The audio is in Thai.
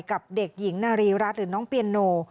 กับเด็กหญิงนารีรัฐหรือน้องเปียโน